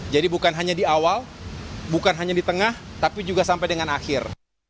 jadi bukan hanya di awal bukan hanya di tengah tapi juga sampai dengan akhir